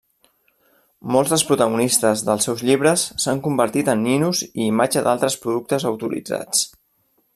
Molts dels protagonistes dels seus llibres s’han convertit en ninos i imatge d’altres productes autoritzats.